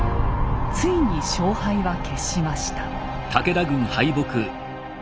ついに勝敗は決しました。